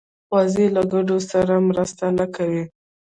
وزې له ګډو سره مرسته نه کوي